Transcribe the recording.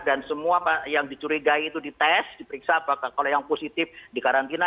dan semua yang dicurigai itu dites diperiksa apakah kalau yang positif di karantina